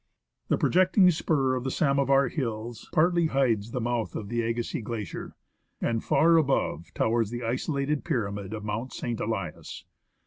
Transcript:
The projecting spur of the Samovar Hills partly hides the mouth of the Agassiz Glacier ; and far above towers the isolated pyramid of Mount St. Elias.